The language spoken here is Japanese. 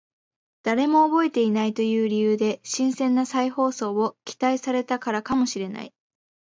誰も覚えていないという理由で新鮮な再放送を期待されたからかもしれない